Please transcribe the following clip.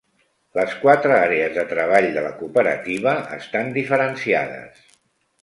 Les quatre àrees de treball de la cooperativa estan diferenciades.